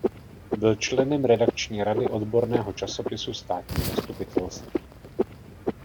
Byl členem redakční rady odborného časopisu Státní zastupitelství.